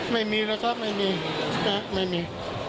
ไม่มีแล้วครับไม่มีครับไม่มี